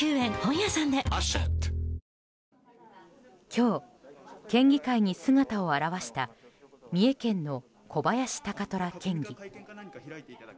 今日、県議会に姿を現した三重県の小林貴虎県議。